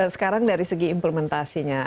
sekarang dari segi implementasinya